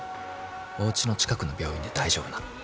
おうちの近くの病院で大丈夫なの。